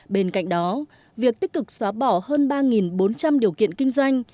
bên cạnh đó việc tích cực xóa bỏ hơn ba bốn trăm linh điều kiện kinh doanh